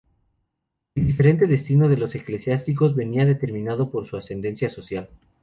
El diferente destino de los eclesiásticos venía determinado por su ascendencia social.